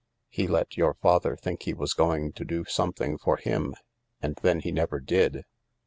He let your father think he ttas going to do something for him, and then he never did.